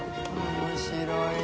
面白いな。